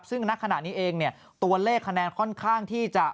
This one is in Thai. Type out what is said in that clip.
ซึ่งณขณะนี้เองเนี่ยตัวเลขคะแนนค่อนข้างที่จะ